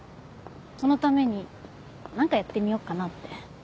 そのために何かやってみようかなって。